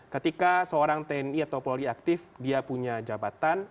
ketika seorang tni atau polri aktif dia punya jabatan